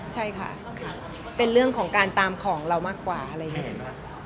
ใช่ค่ะเป็นเรื่องของการตามของเรามากกว่าอะไรอย่างนี้